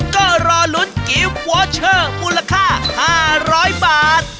ก็รอลุ้นกิฟต์วอเชอร์มูลค่า๕๐๐บาท